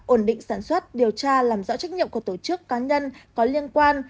ổn định sản xuất điều tra làm rõ trách nhiệm của tổ chức cá nhân có liên quan